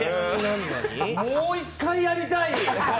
もう一回やりたい。